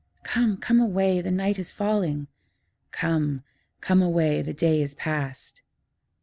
Come, come away, the night is falling; 'Come, come away, the day is past.'